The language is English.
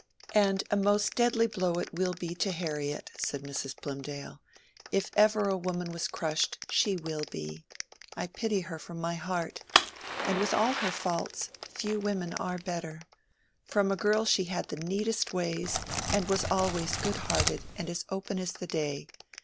"And a most deadly blow it will be to Harriet," said Mrs. Plymdale. "If ever a woman was crushed, she will be. I pity her from my heart. And with all her faults, few women are better. From a girl she had the neatest ways, and was always good hearted, and as open as the day.